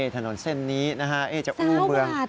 ถนนเส้นนี้นะครับ